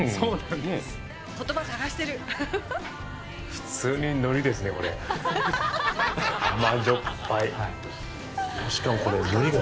普通に、のりですね、これ。